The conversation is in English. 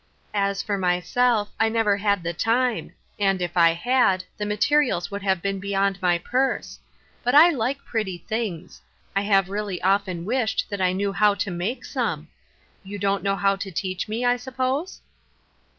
As for myself, I never had the time, and, if I had, the materials would have been bej^ond my purse. But I like pretty things. I have really often wished that I knew how to make some. You don't know how to teach me, I suppose